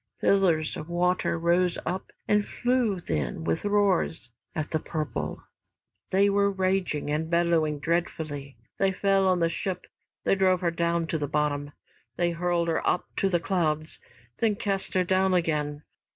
Pillars of water rose up and flew then with roars at "The Purple"; they were raging and bellowing dreadfully. They fell on the ship, they drove her down to the bottom, they hurled her up to the clouds, then cast her down again.